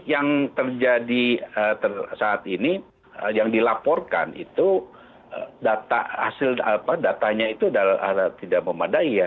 yang terjadi saat ini yang dilaporkan itu datanya itu tidak memadai ya